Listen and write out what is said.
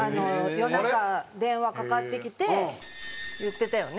夜中電話かかってきて言ってたよね。